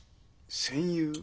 戦友？